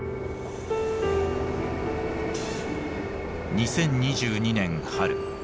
２０２２年春